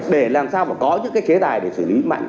để làm sao mà có những cái chế tài để xử lý mạnh